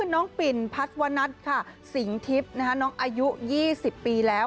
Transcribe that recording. น้องปิ่นพัทวนัทสิงห์ทิพย์น้องอายุ๒๐ปีแล้ว